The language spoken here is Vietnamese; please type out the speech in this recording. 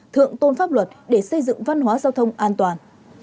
thượng tôn pháp luật để xây dựng văn hóa giao thông an toàn